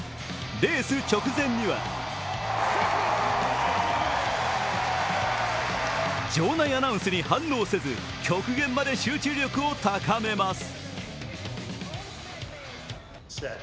レース直前には場内アナウンスに反応せず極限まで集中力を高めます。